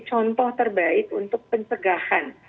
contoh terbaik untuk pencegahan